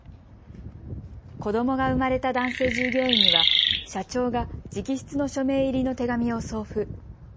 子どもが生まれた男性従業員には社長が直筆の署名入りの手紙を送付。